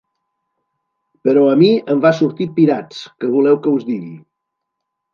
Però a mi em va sortir “pirats”, què voleu que us digui.